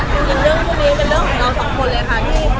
จริงเรื่องพวกนี้เป็นเรื่องของเราสองคนเลยค่ะ